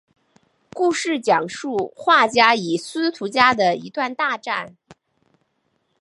故事讲述华家与司徒家的一段大战。